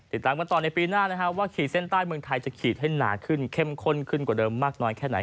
ติดตามกันต่อในปีหน้านะครับว่าขีดเส้นใต้เมืองไทยจะขีดให้หนาขึ้นเข้มข้นขึ้นกว่าเดิมมากน้อยแค่ไหน